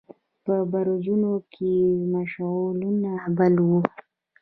په برجونو کې يې مشعلونه بل ول.